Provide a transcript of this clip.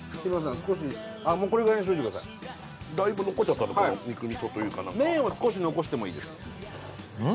少しあっもうこれぐらいにしといてくださいだいぶ残っちゃったこの肉味噌というか麺を少し残してもいいですうん？